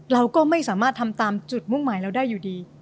เราก็ไม่สามารถทำตามจุดมุ่งหมายเราได้อยู่ดี